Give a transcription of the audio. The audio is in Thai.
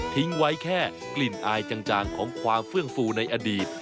ไว้แค่กลิ่นอายจางของความเฟื่องฟูในอดีต